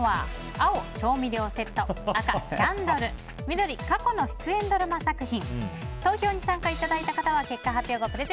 青、調味料セット赤、キャンドル緑、過去の出演ドラマ作品。